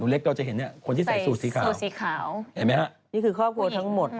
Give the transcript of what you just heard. นี่เล็กเราจะเห็นคนที่ใส่สูตรสีขาวเห็นไหมครับ